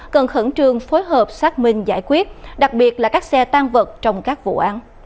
cần khẩn trương phối hợp xác minh giải quyết đặc biệt là các xe tan vật trong các vụ án